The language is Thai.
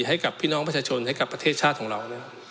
ให้กับพี่น้องประชาชนให้กับประเทศชาติของเรา